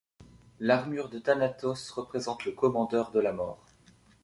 L’armure de Thanatos représente le commandeur de la Mort.